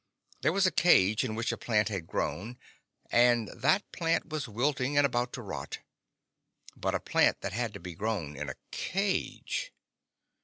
There was a cage in which a plant had grown, and that plant was wilting and about to rot. But a plant that had to be grown in a cage....